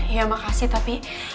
ya makasih tapi